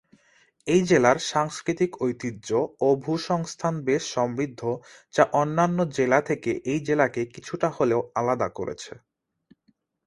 এই জেলার সাংস্কৃতিক ঐতিহ্য ও ভূ-সংস্থান বেশ সমৃদ্ধ যা অন্যান্য জেলা থেকে এই জেলাকে কিছুটা হলেও আলাদা করেছে।